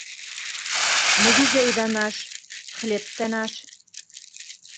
Мөгәзәй ҙә наш, хлеб тә наш.